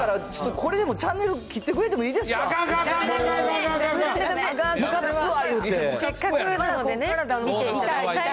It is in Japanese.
これでもう、チャンネル切ってくれてもいいですわ。